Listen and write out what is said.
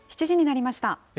７時になりました。